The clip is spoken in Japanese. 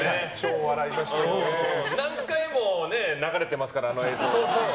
何回も流れてますからあの映像。